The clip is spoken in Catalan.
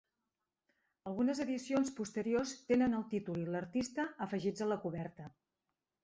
Algunes edicions posteriors tenen el títol i l'artista afegits a la coberta.